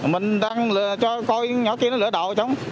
mình đang ngồi xem cái nhỏ đó chạy về chứ